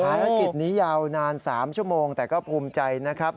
ภารกิจนี้ยาวนาน๓ชั่วโมงแต่ก็ภูมิใจนะครับ